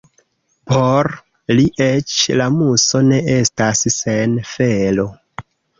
Por li eĉ la muso ne estas sen felo.